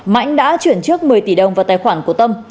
mãnh đã chuyển trước một mươi tỷ đồng vào tài khoản của tâm